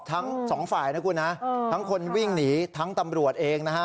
ทั้งสองฝ่ายนะคุณนะทั้งคนวิ่งหนีทั้งตำรวจเองนะฮะ